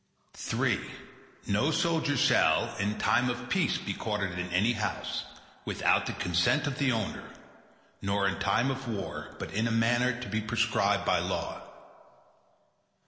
III No soldier shall, in time of peace be quartered in any house, without the consent of the owner, nor in time of war, but in a manner to be prescribed by law.